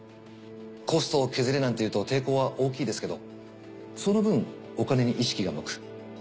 コストを削れなんて言うと抵抗は大きいですけどその分お金に意識が向く。